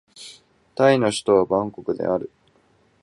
タイの首都はバンコクである